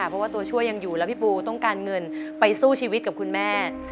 เพราะว่าตัวช่วยยังอยู่แล้วพี่ปูต้องการเงินไปสู้ชีวิตกับคุณแม่